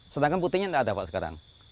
sedangkan putihnya tidak ada pak sekarang